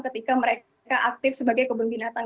ketika mereka aktif sebagai kebun binatang